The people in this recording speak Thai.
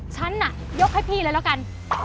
ฉันน่ะยกให้พี่เลยแล้วกัน